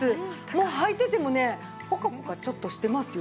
もうはいててもねポカポカちょっとしてますよ。